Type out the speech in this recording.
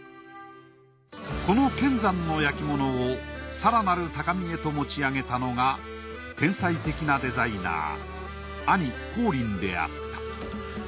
この乾山の焼物を更なる高みへと持ち上げたのが天才的なデザイナー兄光琳であった。